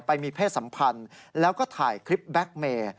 ไปมีเพศสัมพันธ์แล้วก็ถ่ายคลิปแบ็คเมย์